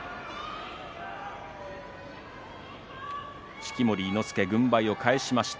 式守伊之助、軍配を返しました。